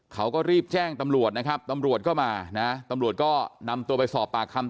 เขาก็รีบแจ้งตำรวจนะครับตำรวจก็มานะตำรวจก็นำตัวไปสอบปากคำ